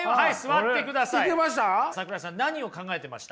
桜井さん何を考えてました？